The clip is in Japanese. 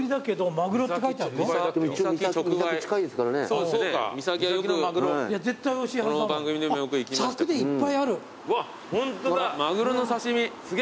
マグロの刺し身。